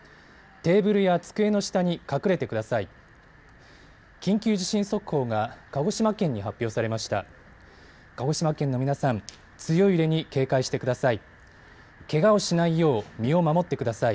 テーブルや机の下に隠れてください。